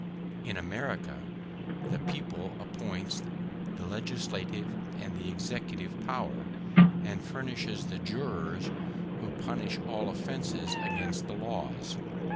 In America the people appoints the legislative and the executive power, and furnishes the jurors who punish all offences against the laws.